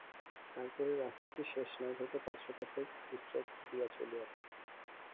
তারপরে রাস্তাটি শেষনাগ হইতে পাঁচশত ফুট উচ্চ দিয়া চলিয়াছে।